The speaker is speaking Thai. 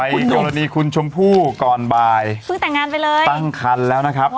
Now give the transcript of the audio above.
นี่ไปตอนนี้คุณชมพู่ก่อนบ่ายฝึกแต่งงานไปเลยตั้งคันแล้วนะครับ